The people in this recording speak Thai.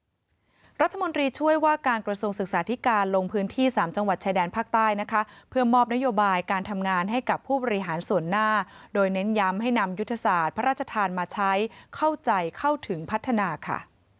รัฐมนตรีช่วยว่าการกระทรวงศึกษาธิการลงพื้นที่สามจังหวัดชายแดนภาคใต้นะคะเพื่อมอบนโยบายการทำงานให้กับผู้บริหารส่วนหน้าโดยเน้นย้ำให้นำยุทธศาสตร์พระราชทานมาใช้เข้าใจเข้าถึงพัฒนาค่ะ